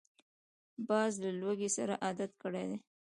باز له لوږې سره عادت کړی دی